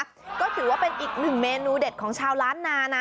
ก็ถือว่าเป็นอีกหนึ่งเมนูเด็ดของชาวล้านนานะ